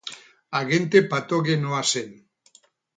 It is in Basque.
Agente patogenoa zen.